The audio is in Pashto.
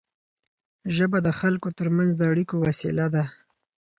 ژبه د خلکو ترمنځ د اړیکو وسیله ده.